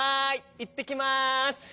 いってきます！